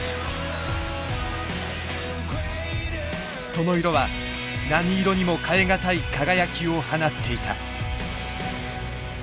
その色は何色にも代え難い輝きを放っていた。